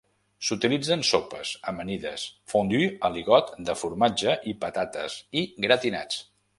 S'utilitza en sopes, amanides, fondue aligot de formatge i patates, i gratinats.